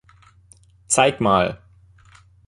Zeig mal!